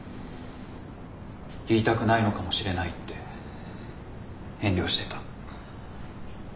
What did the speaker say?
言いたくないのかもしれないって遠慮してた。